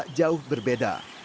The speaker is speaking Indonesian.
tidak jauh berbeda